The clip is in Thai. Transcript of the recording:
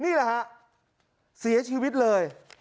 นี่แหละฮะเสียชีวิตเลย